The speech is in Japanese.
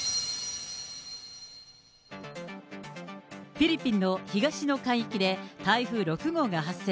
フィリピンの東の海域で、台風６号が発生。